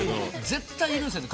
絶対いるんすよね。